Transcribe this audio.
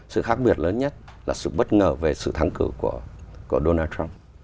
sự khác biệt lớn nhất là sự bất ngờ về sự thắng cử của donald trump